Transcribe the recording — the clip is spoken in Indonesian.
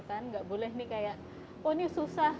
tidak boleh ini kayak oh ini susah